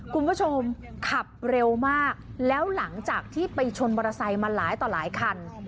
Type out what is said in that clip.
คุณผู้ชมขับเร็วมากแล้วหลังจากที่ไปชนมอเตอร์ไซค์มาหลายต่อหลายคัน